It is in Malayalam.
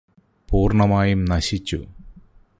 പൂര്ണ്ണമായും നശിച്ചു